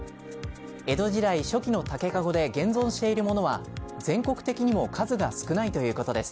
江戸時代初期の竹駕籠で現存しているものは全国的にも数が少ないということです。